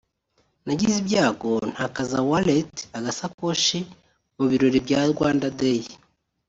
nagize ibyago ntakaza wallet (agasakoshi) mu birori bya Rwanda Day